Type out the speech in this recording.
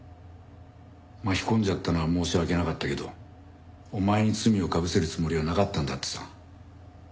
巻き込んじゃったのは申し訳なかったけどお前に罪をかぶせるつもりはなかったんだってさ。